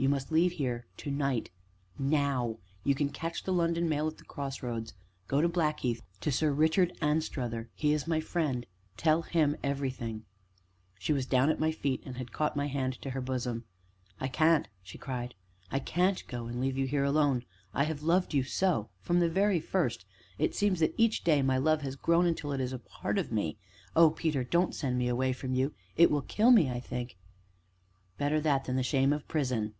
You must leave here, to night now. You can catch the London Mail at the cross roads. Go to Blackheath to Sir Richard Anstruther he is my friend tell him everything " She was down at my feet, and had caught my hand to her bosom. "I can't!" she cried, "I can't go and leave you here alone. I have loved you so from the very first, and it seems that each day my love has grown until it is part of me. Oh, Peter! don't send me away from you it will kill me, I think " "Better that than the shame of a prison!"